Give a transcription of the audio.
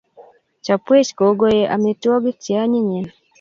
chopwech gogoe amitwogik che anyinyen